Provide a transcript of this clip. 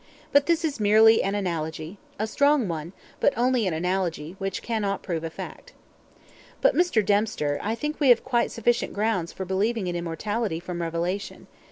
But this is merely an analogy a strong one, but only an analogy, which cannot prove a fact." "But, Mr. Dempster, I think we have quite sufficient grounds for believing in immortality from revelation.